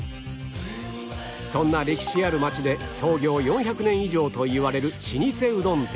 そんな歴史ある町で創業４００年以上といわれる老舗うどん店